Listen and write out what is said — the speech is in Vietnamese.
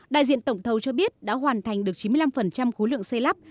đại diện tổng thầu cho biết đã hoàn thành được chín mươi năm khối lượng xây lắp